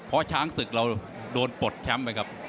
เพราะช้างศึกเราโดนปลดแชมป์ไปครับ